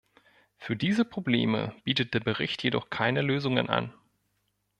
Für diese Probleme bietet der Bericht jedoch keine Lösungen an.